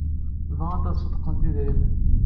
Bɣant ad ṣeddqent idrimen.